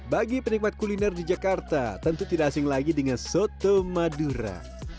bagi penikmat kuliner di jakarta tentu tidak asing lagi dengan soto madura